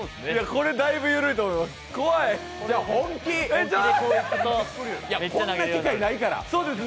これ、だいぶ緩いと思います。